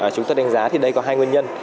chúng tôi đánh giá thì đây có hai nguyên nhân